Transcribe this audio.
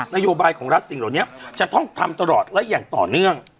นโยบายของรัฐสิ่งเหล่านี้จะต้องทำตลอดและอย่างต่อเนื่อง